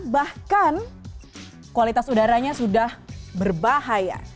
bahkan kualitas udaranya sudah berbahaya